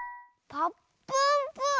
「ぱっぷんぷぅ」？